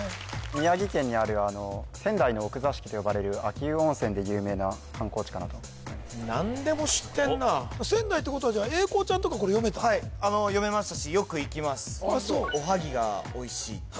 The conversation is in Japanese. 宮城県にある「仙台の奥座敷」と呼ばれる秋保温泉で有名な観光地かなと何でも知ってんな仙台ということははい読めましたしよく行きますあそうおはぎ？